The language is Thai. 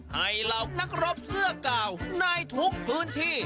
เหล่านักรบเสื้อกาวในทุกพื้นที่